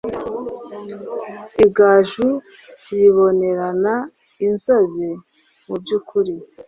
igaju ribonerana(inzobe)mubyukuri